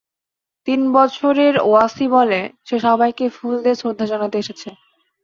তিন বছরের ওয়াসি বলে, সে সবাইকে ফুল দিয়ে শ্রদ্ধা জানাতে এসেছে।